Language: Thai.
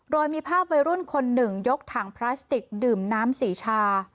โดยมีภาพวัยรุ่นคนหนึ่งยกถังพลาสติกดื่มน้ำสีชา